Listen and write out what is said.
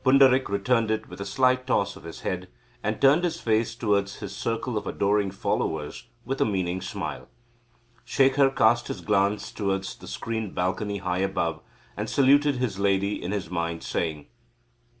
Pundarik returned it with a slight toss of his head, and turned his face towards his circle of adoring followers with a meaning smile. Shekhar cast his glance towards the screened balcony high above, and saluted his lady in his mind, saying!